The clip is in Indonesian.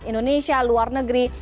indonesia luar negeri